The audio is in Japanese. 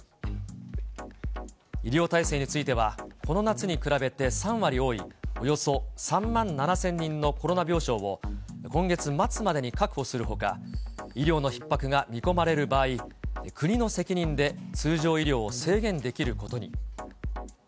医療体制については、この夏に比べて３割多いおよそ３万７０００人のコロナ病床を今月末までに確保するほか、医療のひっ迫が見込まれる場合、国の責任で通常医療を制限できることに。